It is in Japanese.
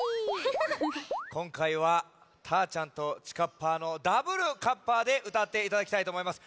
こんかいはたーちゃんとちかっぱーのダブルカッパでうたっていただきたいとおもいます。